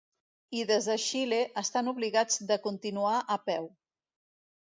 I des de Xile, estan obligats de continuar a peu.